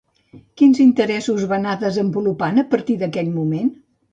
Quins interessos va anar desenvolupant a partir d'aquell moment?